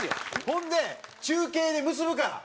ほんで中継で結ぶから。